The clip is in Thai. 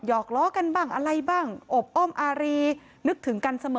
อกล้อกันบ้างอะไรบ้างอบอ้อมอารีนึกถึงกันเสมอ